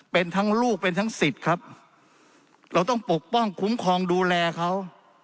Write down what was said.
เป็นทั้งลูกเป็นทั้งสิทธิ์ครับเราต้องปกป้องคุ้มครองดูแลเขา